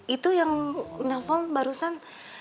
itu yang nelfon barusan